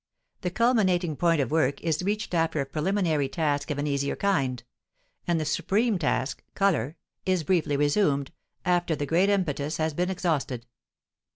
The culminating point of work is reached after a preliminary task of an easier kind; and the supreme task (color) is briefly resumed, after the great impetus has been exhausted.